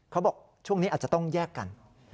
เขาบอกช่วงนี้อาจจะต้องแยกกัน